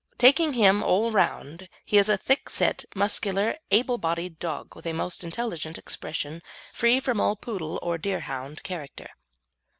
Taking him all round, he is a thick set, muscular, able bodied dog, with a most intelligent expression, free from all Poodle or Deerhound character.